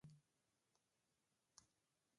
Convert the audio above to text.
هر ماښام ملا صاحب د فطر د صدقې په باره کې وعظ کاوه.